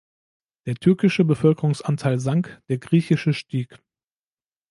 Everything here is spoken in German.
Der türkische Bevölkerungsanteil sank, der griechische stieg.